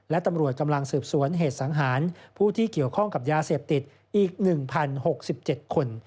และตำรวจกำลังสืบสวนเหตุสังหารผู้ที่เกี่ยวข้องกับยาเสพติดอีก๑๐๖๗คน